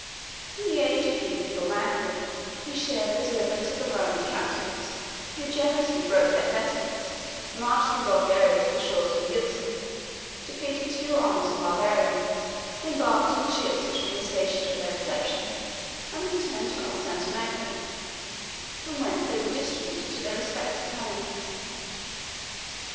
In the age of youth or manhood he shared the deliverance of the Roman captives, who generously broke their fetters, marched through Bulgaria to the shores of the Euxine, defeated two armies of Barbarians, embarked in the ships which had been stationed for their reception, and returned to Constantinople, from whence they were distributed to their respective homes.